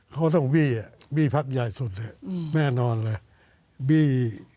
เขาก็ต้องบี้บี้พักใหญ่สุดแน่นอนเลยบี้